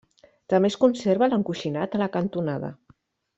També es conserva l'encoixinat a la cantonada.